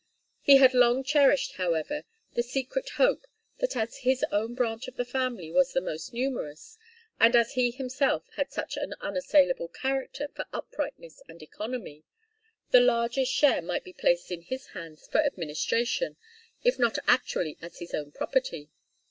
He had long cherished, however, the secret hope that as his own branch of the family was the most numerous, and as he himself had such an unassailable character for uprightness and economy, the largest share might be placed in his hands for administration, if not actually as his own property.